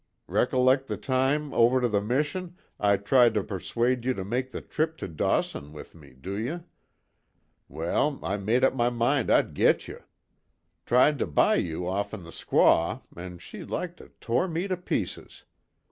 Rec'lect the time, over to the mission I tried to persuade you to make the trip to Dawson with me do you? Well, I made up my mind I'd git you. Tried to buy you offen the squaw an' she like to tore me to pieces.